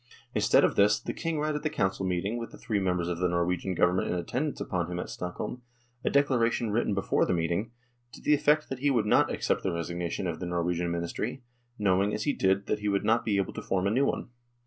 Instead of this, the King read at the council meeting, with the three members of the Norwegian Government in attendance upon him at Stockholm, a declaration written before the meeting, to the effect that he would not accept the resignation of the Norwegian Ministry, knowing, as he did, that he would not be able to form a new one.